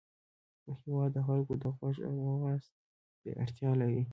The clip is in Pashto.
هېواد د خلکو د غوږ او اواز ته اړتیا لري.